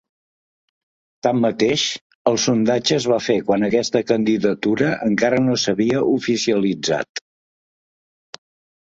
Tanmateix, el sondatge es va fer quan aquesta candidatura encara no s’havia oficialitzat.